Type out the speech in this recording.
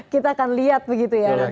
kita akan lihat begitu ya